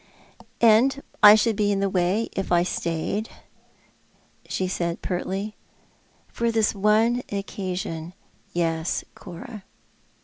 "And I should be in the way if I stayed," she said pertly. " For this one occasion, yes, Cora."